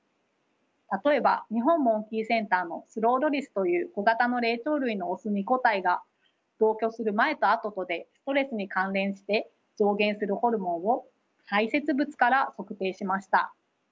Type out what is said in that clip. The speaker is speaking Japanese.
たとえば日本モンキーセンターのスローロリスという小型の霊長類のオス２個体が同居する前と後とでストレスに関連して増減するホルモンを排せつ物から測定しました。